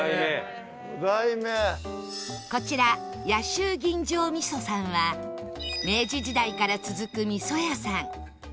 こちら野州吟醸味噌さんは明治時代から続く味噌屋さん